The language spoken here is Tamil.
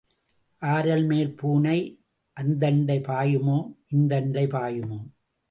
ஆரல்மேல் பூனை அந்தண்டை பாயுமோ இந்தண்டை பாயுமோ?